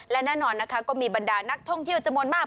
และแน่นอนนะคะก็มีบรรดานักท่องเที่ยวจำนวนมาก